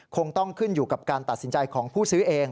คงต้องขึ้นอยู่กับการตัดสินใจของผู้ซื้อเอง